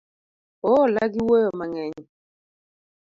Oola gi wuoyo mang'eny